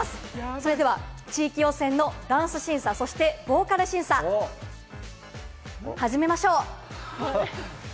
それでは、地域予選のダンス審査、そしてボーカル審査、始めましょう。